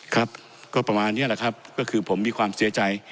ครับก็ประมาณนี้แหละครับก็คือผมมีความเสียใจ